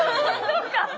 そうか！